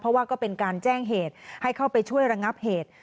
เพราะว่าก็เป็นการแจ้งเหตุให้เข้าไปช่วยระงับเหตุ